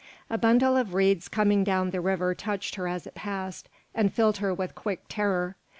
A bundle of reeds coming down the river touched her as it passed, and filled her with quick terror.